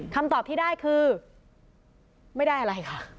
คำตอบที่ได้คือไม่ได้อะไรค่ะ